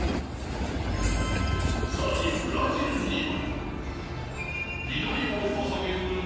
更にブラジルには。